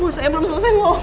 bu saya belum selesai bu